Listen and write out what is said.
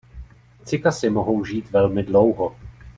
Cykasy mohou žít velmi dlouho.